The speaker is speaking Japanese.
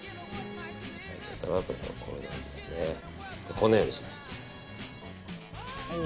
こんなようにしました。